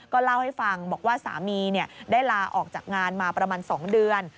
เล่าให้ฟังบอกว่าสามีได้ลาออกจากงานมาประมาณ๒เดือน